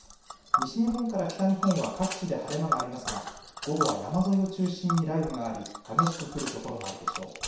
西日本から北日本は各地で晴れ間がありますが午後は山沿いを中心に雷雨があり激しく降る所もあるでしょう。